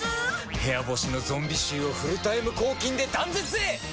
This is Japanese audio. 部屋干しのゾンビ臭をフルタイム抗菌で断絶へ！